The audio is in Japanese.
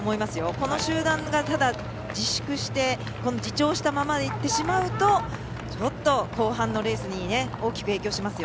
この集団が自粛して自重したまま行ってしまうとちょっと後半のレースに大きく影響しますよ。